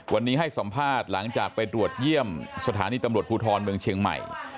วันนี้ให้สัมภาษณ์หลังจากไปตรวจเยี่ยมสถานีตำรวจภูทรเมืองเชียงใหม่